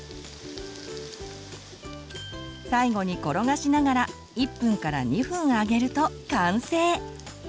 最後に転がしながら１２分揚げると完成！